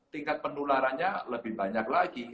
tingkat penularannya lebih banyak lagi